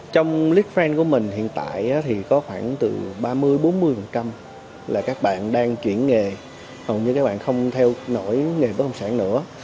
trong lip frand của mình hiện tại thì có khoảng từ ba mươi bốn mươi là các bạn đang chuyển nghề hầu như các bạn không theo nổi nghề bất động sản nữa